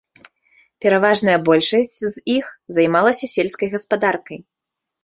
Пераважная большасць з іх займалася сельскай гаспадаркай.